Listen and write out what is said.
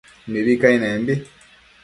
mibi cainenbi